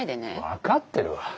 分かってるわ。